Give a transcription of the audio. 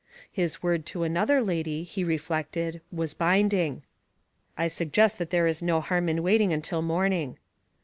His word to another lady, he reflected, was binding. "I suggest that there is no harm in waiting until morning."